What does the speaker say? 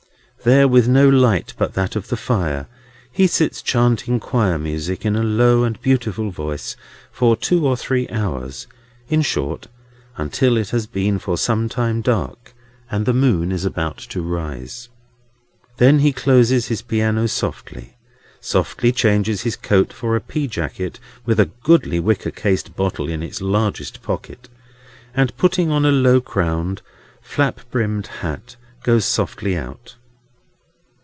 There, with no light but that of the fire, he sits chanting choir music in a low and beautiful voice, for two or three hours; in short, until it has been for some time dark, and the moon is about to rise. Then he closes his piano softly, softly changes his coat for a pea jacket, with a goodly wicker cased bottle in its largest pocket, and putting on a low crowned, flap brimmed hat, goes softly out.